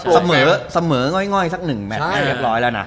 เสมอง่อยสักหนึ่งแบบนี้เรียบร้อยแล้วนะ